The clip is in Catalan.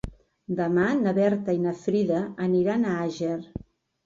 Demà na Berta i na Frida aniran a Àger.